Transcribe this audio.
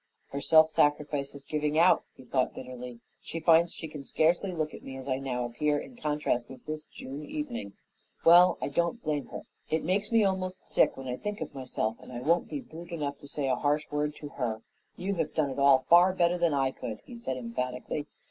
"Her self sacrifice is giving out," he thought bitterly. "She finds she can scarcely look at me as I now appear in contrast with this June evening. Well, I don't blame her. It makes me almost sick when I think of myself and I won't be brute enough to say a harsh word to her." "You have done it all far better than I could," he said emphatically.